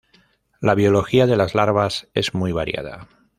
La biología de las larvas es muy variada.